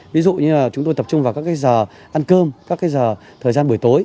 ví dụ như là chúng tôi tập trung vào các giờ ăn cơm các cái thời gian buổi tối